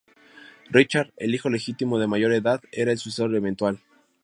Richard, el hijo legítimo de mayor edad, era el sucesor eventual.